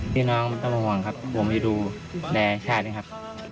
พี่น้องมันต้องมาหวังครับผมจะดูแด่ชาตินะครับ